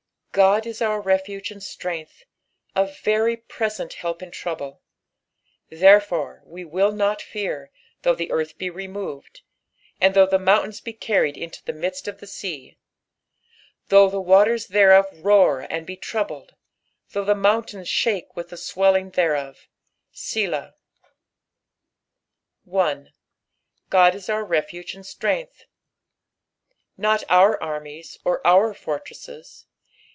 GOD is our refuge and strength, a very present help in trouble. 2 Therefore will not we fear, though the earth be removed, and though the mountains be carried into the midpt of the sea ; 3 Though the waters thereof roar and be troubled, tliough the mountains shake with the swelling thereof. Selah, 1. " QodiaoitrvefiigeanAstTengt'h.'''' Not our armies, or our fortresses.